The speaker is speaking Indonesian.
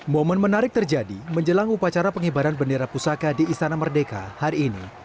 momen menarik terjadi menjelang upacara pengibaran bendera pusaka di istana merdeka hari ini